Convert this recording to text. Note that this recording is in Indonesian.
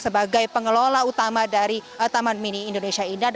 sebagai pengelola utama dari taman mini indonesia indah